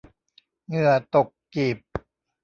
เหงื่อตกกีบ